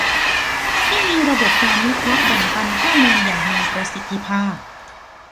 ที่มีระบบการวิเคราะห์แบ่งปันข้อมูลอย่างมีประสิทธิภาพ